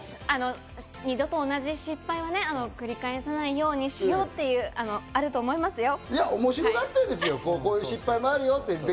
いやいやいや、二度と同じ失敗はね、繰り返さないようにしようというのがあると思いますよ。